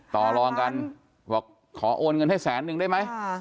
ต่อรองกันบอกขอโอนเงินให้แสนนึงได้ไหม